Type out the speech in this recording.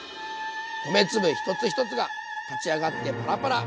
米粒一つ一つが立ち上がってパラパラ。